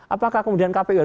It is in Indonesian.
apakah kemudian kpu harus